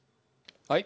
はい。